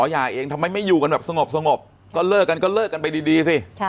หย่าเองทำไมไม่อยู่กันแบบสงบก็เลิกกันก็เลิกกันไปดีสิ